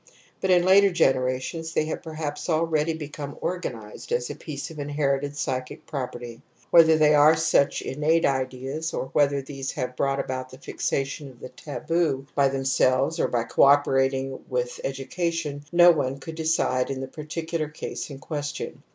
But in later generations they have perhaps already become ' organized ' as a piece of inherited psychic property. Whether there are such ' innate ideas ' or whether these have brought about the fixation of the taboo by themselves or by co operating with education no one could decide in the particular case in question.